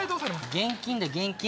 現金だ現金。